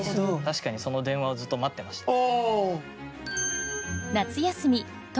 確かにその電話をずっと待ってました。